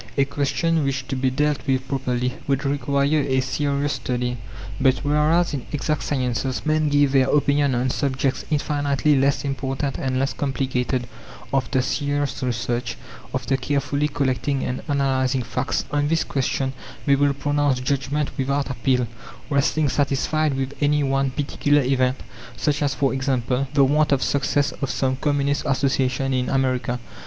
A question which, to be dealt with properly, would require a serious study. But whereas in exact sciences men give their opinion on subjects infinitely less important and less complicated after serious research, after carefully collecting and analyzing facts on this question they will pronounce judgment without appeal, resting satisfied with any one particular event, such as, for example, the want of success of some communist association in America.